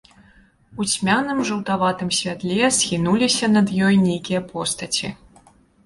У цьмяным жаўтаватым святле схінуліся над ёй нейкія постаці.